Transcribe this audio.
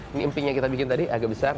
ini emping yang kita bikin tadi agak besar